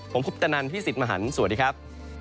ผมคุปตนันพี่สิทธิ์มหันฯสวัสดีครับ